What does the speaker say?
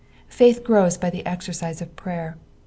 Faith grows by the exercise of prayer.